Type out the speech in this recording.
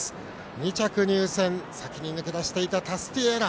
２着入線、先に抜け出していたタスティエーラ。